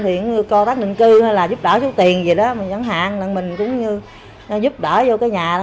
thì có các định cư hay là giúp đỡ chút tiền gì đó chẳng hạn là mình cũng như giúp đỡ vô cái nhà